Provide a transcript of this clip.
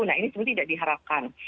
nah ini tentu tidak diharapkan